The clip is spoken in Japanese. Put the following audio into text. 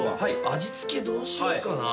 味付けどうしようかな。